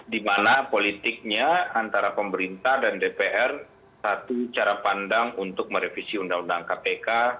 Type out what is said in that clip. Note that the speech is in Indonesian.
dimana politiknya antara pemerintah dan dpr satu cara pandang untuk merevisi undang undang kpk